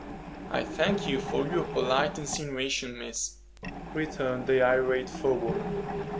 "I thank you for your polite insinuations, miss," returned the irate forewoman.